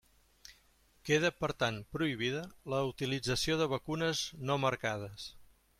Queda, per tant, prohibida la utilització de vacunes no marcades.